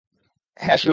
হ্যাঁ, শিউর!